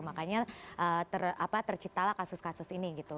makanya terciptalah kasus kasus ini gitu